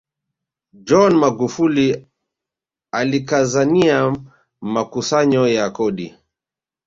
john magufuli alikazania makusanyo ya kodi